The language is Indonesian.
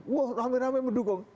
wah rame rame mendukung